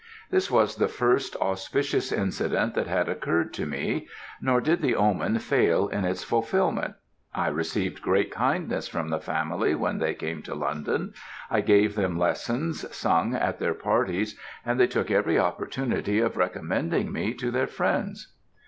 "This was the first auspicious incident that had occurred to me, nor did the omen fail in its fulfilment. I received great kindness from the family when they came to London. I gave them lessons, sung at their parties, and they took every opportunity of recommending me to their friends.